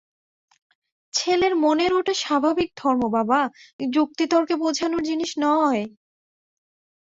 ছেলের মনের ওটা স্বাভাবিক ধর্ম বাবা, যুক্তিতর্কে বোঝানোর জিনিস নয়।